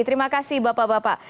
terima kasih bapak bapak